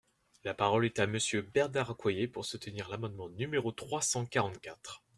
La parole est à Monsieur Bernard Accoyer, pour soutenir l’amendement numéro trois cent quarante-quatre.